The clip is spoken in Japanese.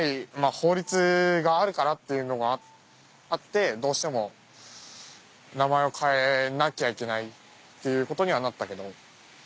法律があるからっていうのがあってどうしても名前を変えなきゃいけないっていうことにはなったけど。